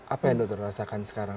apa yang dokter rasakan sekarang